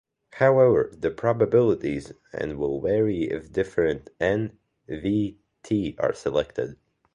However, the probabilities and will vary if different "N", "V", "T" are selected.